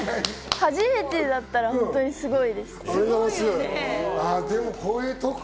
初めてだったら本当にすごいです。